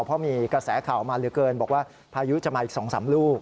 เพราะมีกระแสข่าวออกมาเหลือเกินบอกว่าพายุจะมาอีก๒๓ลูก